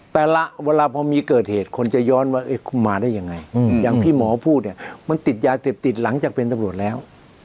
เวลาพอมีเกิดเหตุคนจะย้อนว่าคุณมาได้ยังไงอย่างที่หมอพูดเนี่ยมันติดยาเสพติดหลังจากเป็นตำรวจแล้ว